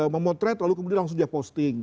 memotret lalu kemudian langsung dia posting